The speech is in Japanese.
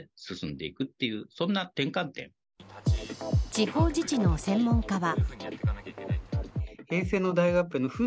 地方自治の専門家は。